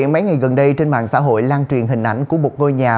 mấy ngày gần đây trên mạng xã hội lan truyền hình ảnh của một ngôi nhà